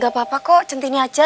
gak apa apa kok centini aja